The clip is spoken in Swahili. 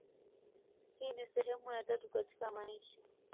Hii ni sehemu ya tatu katika insha.